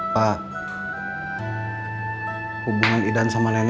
pak hubungan idan sama nenek